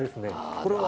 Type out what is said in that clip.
これは？